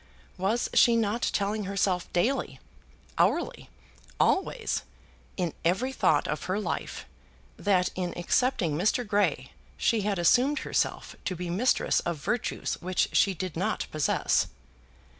Was she not telling herself daily, hourly, always, in every thought of her life, that in accepting Mr. Grey she had assumed herself to be mistress of virtues which she did not possess?